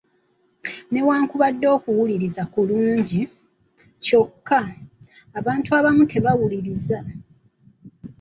Newankudde okuwuliriza kulungi , kyokka, abantu abamu tebawuliriza!